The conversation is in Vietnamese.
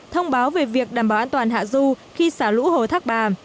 thông báo về việc đảm bảo an toàn hạ du khi xả lũ hồ thác bà